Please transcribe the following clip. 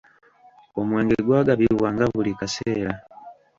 Omwenge gwagabibwanga buli kaseera.